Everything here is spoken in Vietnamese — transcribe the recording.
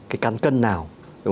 cái căn cân nào